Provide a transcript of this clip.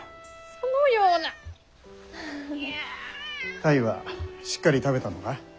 泰はしっかり食べたのか？